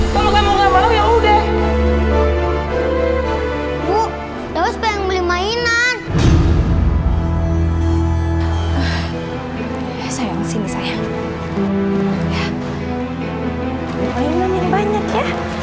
kalau kamu nggak mau ya udah bu dawas pengen beli mainan sayang sini sayang mainan ini banyak ya